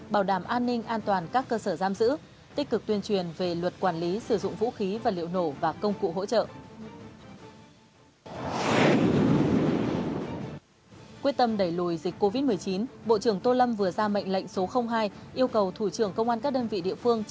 bảo đảm an ninh an toàn các cơ sở giam giữ tích cực tuyên truyền về luật quản lý sử dụng vũ khí và liệu nổ và công cụ hỗ trợ